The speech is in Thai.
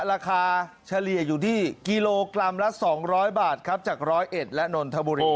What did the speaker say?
ราคาเฉลี่ยอยู่ที่กิโลกรัมละสองร้อยบาทครับจากร้อยเอ็ดและนนทบุรีครับ